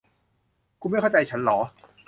คุณไม่เข้าใจฉันหรอ